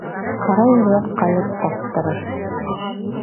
Ҡара ерҙән ҡайыҡ тарттырыр.